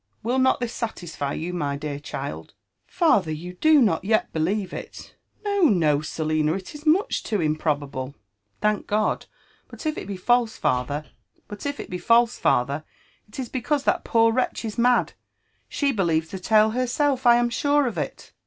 Will not this satisfy you, my dear child r •* Father ! you do not yet believe it?" " Mo, no, Selinal It is much too improbable." '* Thank tjodl But if it be laiae, father, it is because tfiat poor wretch is mad. She believes the tale herself, 1 am sure of 4t."